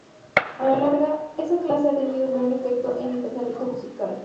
A la larga, esa clase ha tenido un gran efecto en mi pensamiento musical.